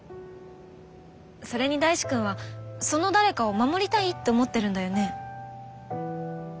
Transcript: それに大志くんはその誰かを守りたいって思ってるんだよね？